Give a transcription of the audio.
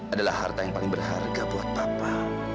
adalah harta yang paling berharga buat papa